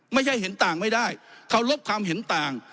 ไม่ใช่เห็นต่างไม่ได้เคารพความเห็นต่าง